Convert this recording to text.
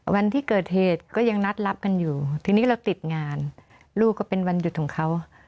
วันที่เกิดเหตุก็ยังนัดรับกันอยู่ทีนี้เราติดงานลูกก็เป็นวันหยุดของเขา